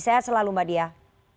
saya selalu mbak diah